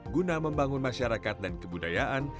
guna membangun masyarakat dan kebudayaan